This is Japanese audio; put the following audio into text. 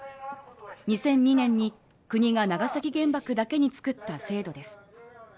２００２年に国が長崎原爆だけに作った制度です